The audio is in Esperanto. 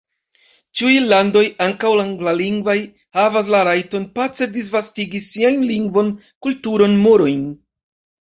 Ĉiuj landoj, ankaŭ anglalingvaj, havas la rajton pace disvastigi siajn lingvon, kulturon, morojn.